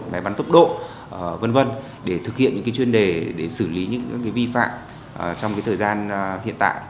máy bắn tốc độ v v để thực hiện những chuyên đề để xử lý những vi phạm trong thời gian hiện tại